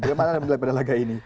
bagaimana menurut anda pada laga ini